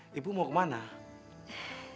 sebetulnya saya mau cari anissa anak saya pak